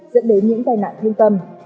dẫn đến những tai nạn thương tâm